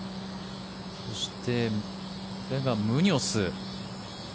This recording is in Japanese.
そして、これがムニョス。